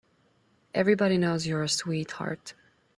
Everybody knows you're a sweetheart.